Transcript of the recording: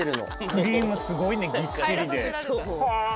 クリームすごいねぎっしりで。